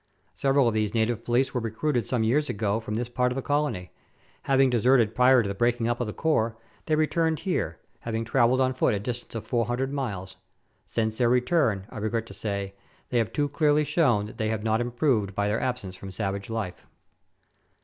Several of these native police were recruited some years ago from this part of the colony. Having deserted prior to the breaking up of the corps, they re turned here, having travelled on foot a distance of 400 miles. Letters from Victorian Pioneers. 275 Since their return, I regret to say, they have too clearly shown that they have not improved by their absence from savage life.